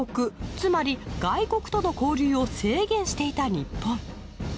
つまり外国との交流を制限していた日本。